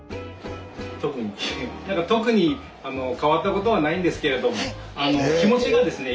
特に特に変わったことはないんですけれども気持ちがですね